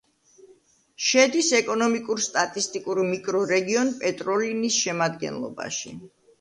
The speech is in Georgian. შედის ეკონომიკურ-სტატისტიკურ მიკრორეგიონ პეტროლინის შემადგენლობაში.